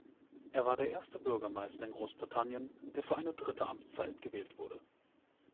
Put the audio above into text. Er war der erste Bürgermeister in Großbritannien, der für eine dritte Amtszeit gewählt wurde.